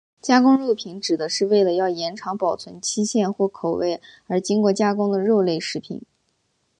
加工肉品指的是为了要延长保存期限或口味而经过加工的肉类食物。